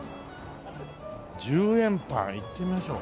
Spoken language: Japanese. １０円パン行ってみましょう。